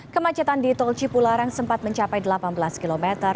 kemacetan di tol cipularang sempat mencapai delapan belas km